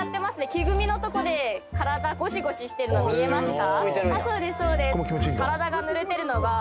木組みのとこで体ゴシゴシしてるの見えますか？